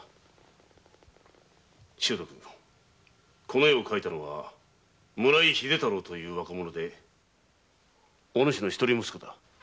この絵を描いた者は村井秀太郎という若者でお主の一人息子だ。